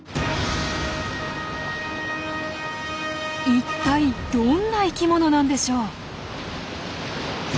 一体どんな生きものなんでしょう？